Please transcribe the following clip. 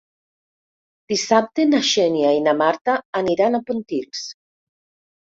Dissabte na Xènia i na Marta aniran a Pontils.